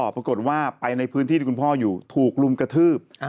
ปรากฏว่าไปในพื้นที่ที่คุณพ่ออยู่ถูกลุมกระทืบ